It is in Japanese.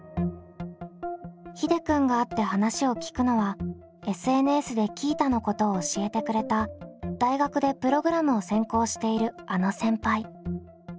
ひでくんが会って話を聞くのはＳＮＳでＱｉｉｔａのことを教えてくれた大学でプログラムを専攻しているあの先輩。